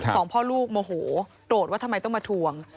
สองพ่อลูกโมโหโกรธว่าทำไมต้องมาทวง